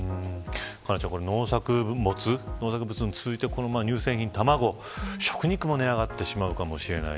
佳菜ちゃん、農作物に続いて乳製品や卵、食肉も値上がってしまうかもしれない。